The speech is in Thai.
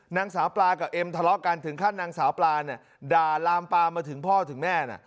นางสาวปลากับเอ็มทะเลาะกันถึงขั้นนางสาวปลาเนี่ยด่าลามปลามาถึงพ่อถึงแม่น่ะ